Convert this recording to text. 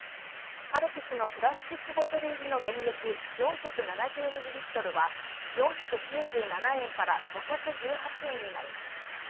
カルピスのプラスチックボトル入りの原液４７０ミリリットルは４９７円から５１８円になります。